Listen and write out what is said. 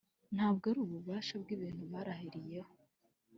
Nta bwo ari ububasha bw’ibintu barahiriyeho,